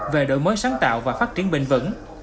về đổi mới sáng tạo và phát triển bình vẩn